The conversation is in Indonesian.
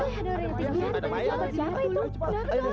ada orang di sini